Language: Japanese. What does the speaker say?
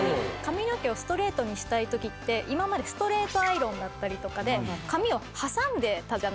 髪の毛をストレートにしたい時って今までストレートアイロンだったりとかで髪を挟んでたじゃないですか。